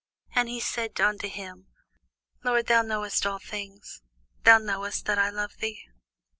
And he said unto him, Lord, thou knowest all things; thou knowest that I love thee.